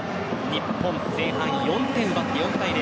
日本、前半４点奪って４対０。